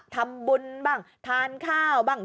ทำบุญบ้างทานข้าวบ้าง